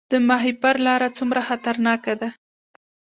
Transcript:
د ماهیپر لاره څومره خطرناکه ده؟